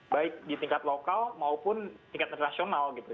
baik di tingkat lokal maupun tingkat internasional gitu